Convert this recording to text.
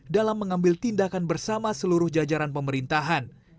dalam mengambil tindakan bersama seluruh jajaran pemerintahan